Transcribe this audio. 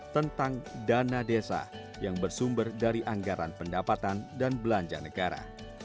tentang dana desa yang bersumber dari anggaran pendapatan dan belanja negara